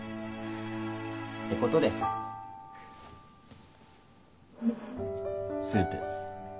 てことでスープ。